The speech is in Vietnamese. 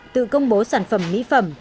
tự công bố sản phẩm mỹ phẩm